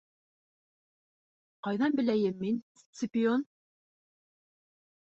Ҡайҙан беләйем мин, Сципион?